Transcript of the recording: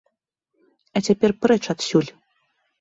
А цяпер прэч адсюль!